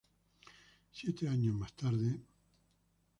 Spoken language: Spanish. Siete años más tarde Mr.